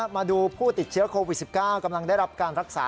ผู้ติดเชื้อโควิด๑๙กำลังได้รับการรักษา